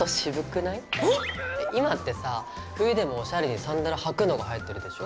今ってさ冬でもおしゃれにサンダル履くのがはやってるでしょ？